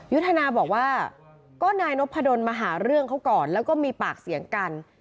ยุทธนาบอกว่าก็นายนพดลมาหาเรื่องเขาก่อนแล้วก็มีปากเสียงกัน